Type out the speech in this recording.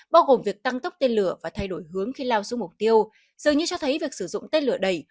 bao gồm việc tăng tốc tên lửa và thay đổi hướng khi lao xuống mục tiêu dường như cho thấy việc sử dụng tên lửa đẩy